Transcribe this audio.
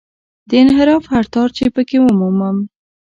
د انحراف هر تار چې په کې ومومم.